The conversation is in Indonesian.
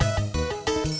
ya ada tiga orang